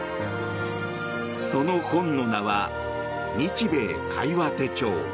その本の名は「日米會話手帳」。